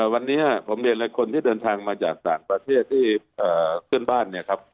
วันนี้ผมเรียนว่าคนที่เดินทางมาจากศาลประเทศที่ขึ้นบ้าน